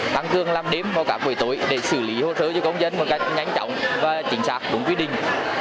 tăng cường làm đêm vào các buổi tối để xử lý hồ sơ cho công dân một cách nhanh chóng và chính xác đúng quy định